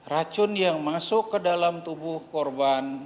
racun yang masuk ke dalam tubuh korban